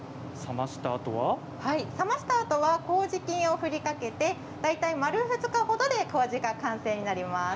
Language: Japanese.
冷ましたあとはこうじ菌を振りかけて大体丸２日ほどでこうじが完成になります。